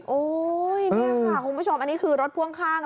โอ้ยนี่ค่ะคุณผู้ชมอันนี้คือรถพ่วงข้าง